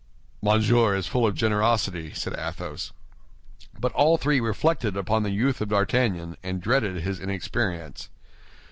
"Monsieur is full of generosity," said Athos. But all three reflected upon the youth of D'Artagnan, and dreaded his inexperience.